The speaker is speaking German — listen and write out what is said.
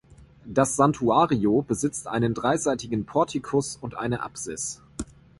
Das Santuario besitzt einen dreiseitigen Portikus und eine Apsis.